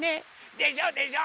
でしょ？でしょ？